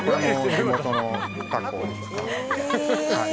地元のタコを使って。